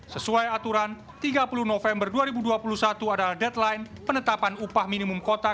sesuai aturan tiga puluh november dua ribu dua puluh satu adalah deadline penetapan upah minimum kota